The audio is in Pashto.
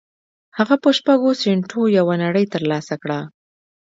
هغه په شپږو سينټو یوه نړۍ تر لاسه کړه